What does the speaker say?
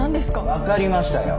分かりましたよ。